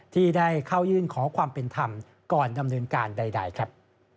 ที่ได้เข้ายื่นขอความเป็นธรรมก่อนดำเนินการใดครับ